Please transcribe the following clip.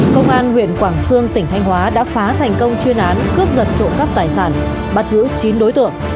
công an huyện quảng sương tỉnh thanh hóa đã phá thành công chuyên án cướp giật trộm cắp tài sản bắt giữ chín đối tượng